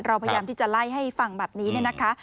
เราพยายามที่จะไล่ให้ฟังแบบนี้เนี่ยนะคะ